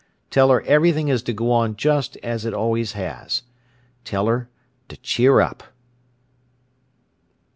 Tell her everything is to go on just as it always has. Tell her to cheer up!